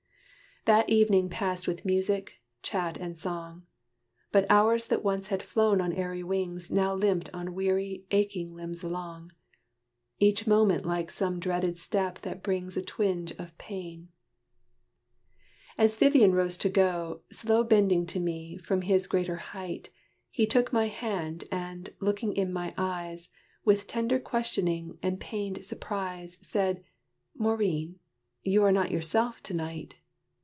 That evening passed with music, chat and song: But hours that once had flown on airy wings Now limped on weary, aching limbs along, Each moment like some dreaded step that brings A twinge of pain. As Vivian rose to go, Slow bending to me, from his greater height, He took my hand, and, looking in my eyes, With tender questioning and pained surprise, Said, "Maurine, you are not yourself to night!